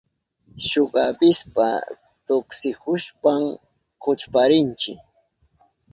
Shuk avispa tuksihushpan kuchparinchi.